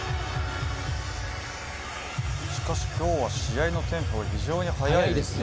今日は試合のテンポが非常に速いですね。